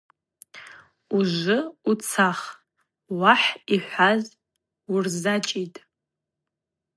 Ужвы уцах, уахӏ йхӏваз уырзачӏитӏ.